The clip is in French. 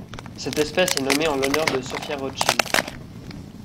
Cette espèce est nommée en l'honneur de Sophia Rothschild.